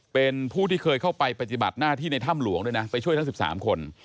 เป็นผู้ที่เคยเข้าไปปฏิบัติหน้าที่ในถ้ำหลวงด้วยนะไปช่วยทั้ง๑๓คน